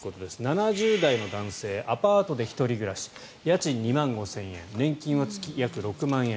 ７０代男性アパートで１人暮らし家賃２万５０００円年金は月約６万円。